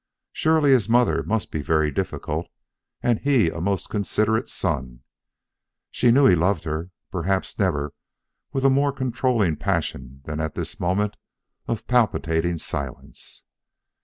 Surely, his mother must be very difficult and he a most considerate son. She knew he loved her; perhaps never with a more controlling passion than at this moment of palpitating silence.